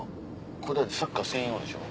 これだってサッカー専用でしょ。